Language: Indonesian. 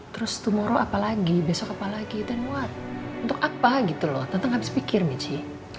terus tomorrow apa lagi besok apa lagi dan what untuk apa gitu loh tante gak habis pikir michi